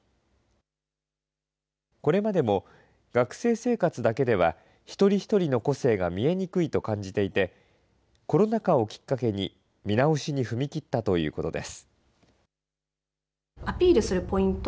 これまでも、学生生活だけでは一人一人の個性が見えにくいと感じていて、コロナ禍をきっかけに、見直しに踏み切ったということです。